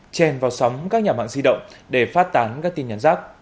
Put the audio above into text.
chèn vào sóng các nhà mạng di động để phát tán các tin nhắn rác